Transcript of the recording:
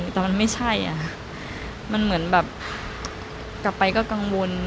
แต่มันไม่ใช่อะค่ะมันเหมือนแบบกลับไปก็กังวล